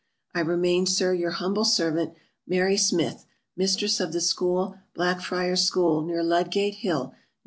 I remain, Sir, your humble servant, MARY SMYTH, Mistress of the School. Blackfriars School, near Ludgate Hill, Nov.